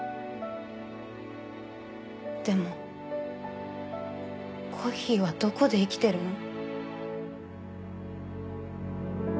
でもコッヒーはどこで生きてるの？